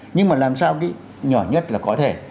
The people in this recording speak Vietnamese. nhưng mà làm sao nhỏ nhất là có thể